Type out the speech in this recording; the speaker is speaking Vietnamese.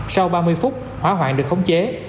sau ba mươi phút hỏa hoạn được khống chế